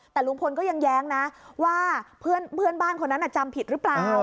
แต่ลุงพลก็ยังแย้งนะว่าเพื่อนบ้านคนนั้นจำผิดหรือเปล่า